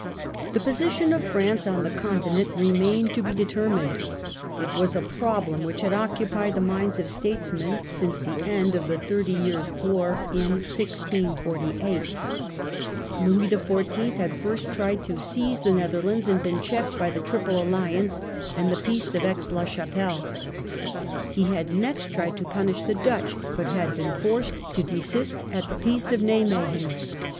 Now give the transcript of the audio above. The position of France on the Continent remained to be determined. It was a problem which had occupied the minds of statesmen since the end of the Thirty Years* BEGINNINGS OF PARTY GOVERNMENT. II7 War in 1648. Louis XIV. had first tried to seize the Netherlands, and been checked by the Triple Alliance and the Peace of Aix la Chapelle. He had next ^^.^^^^ tried to punish the Dutch, but had been European forced to desist at the Peace of Nimuegen.